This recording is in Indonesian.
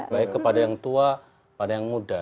baik kepada yang tua pada yang muda